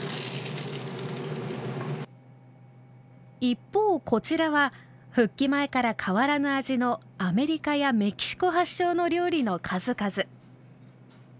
一方こちらは復帰前から変わらぬ味のアメリカやメキシコ発祥の料理の数々。